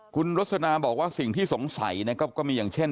คุณรสนาบอกว่าสิ่งที่สงสัยนะครับก็มีอย่างเช่น